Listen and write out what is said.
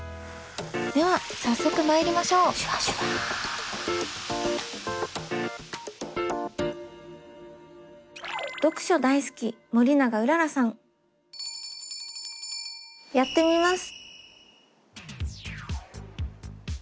では早速まいりましょうやってみます。